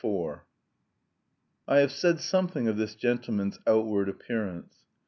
IV I have said something of this gentleman's outward appearance.